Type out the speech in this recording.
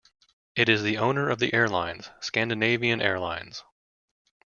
It is the owner of the airlines Scandinavian Airlines.